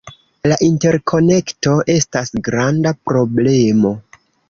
La interkonekto estas granda problemo.